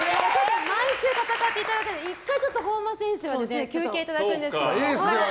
毎週戦っていただいた１回、本間選手は休憩いただくんです。